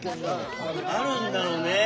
あるんだろうね。